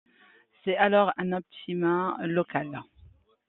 C'est alors un optimum local.